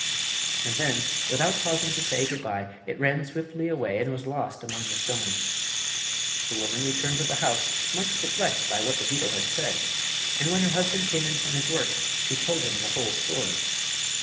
And then, without pausing to say good by, it ran swiftly away and was lost among the stones. The woman returned to the house much perplexed by what the beetle had said, and when her husband came in from his work she told him the whole story.